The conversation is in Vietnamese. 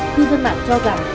cư dân mạng cho rằng